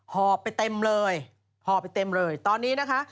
ห่อไปเต็มเลยตอนนี้นะคะ